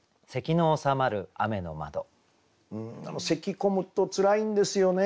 咳込むとつらいんですよね。